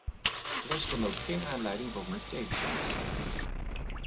Er is dan ook geen aanleiding waarom ik tegen zou moeten stemmen.